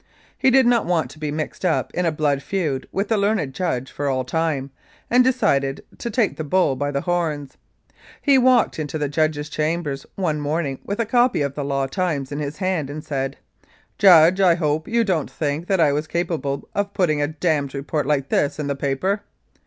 He did not want to be mixed up in a blood feud with the learned judge for all time, and decided to take the bull by the horns. He walked into the judge's chambers one morning with a copy of the Law Times in his hand and said, "Judge, I hope you don't think that I was capable of putting a damned report like this in the paper?"